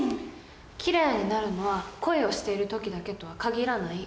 きれいになるのは恋をしている時だけとは限らない。